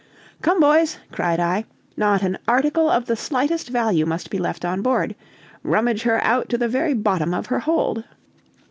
"Come, boys," cried I, "not an article of the slightest value must be left on board; rummage her out to the very bottom of her hold."